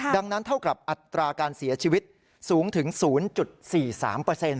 ดังนั้นเท่ากับอัตราการเสียชีวิตสูงถึง๐๔๓เปอร์เซ็นต